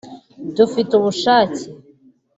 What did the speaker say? dufite ubushake